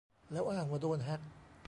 แล้วอ้างว่าโดนแฮค